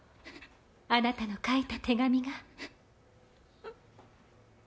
あなたの書いた手紙が。